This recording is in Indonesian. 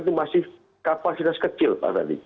itu masih kapasitas kecil pak ferdi